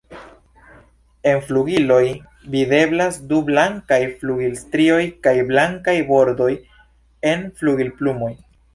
En flugiloj videblas du blankaj flugilstrioj kaj blankaj bordoj en flugilplumoj.